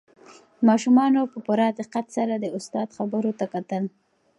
ماشومانو په پوره دقت سره د استاد خبرو ته کتل.